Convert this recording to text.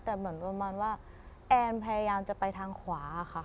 แต่เหมือนประมาณว่าแอนพยายามจะไปทางขวาค่ะ